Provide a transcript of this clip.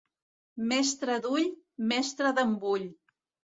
Mestre d'ull, mestre d'embull.